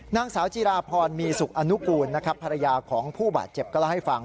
นางสาวจิราพรมีสุขอนุกูลนะครับภรรยาของผู้บาดเจ็บก็เล่าให้ฟัง